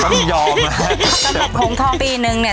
สำหรับโหม่งทองปีนึงเนี่ย